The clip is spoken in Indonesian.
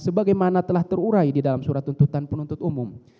sebagaimana telah terurai di dalam surat tuntutan penuntut umum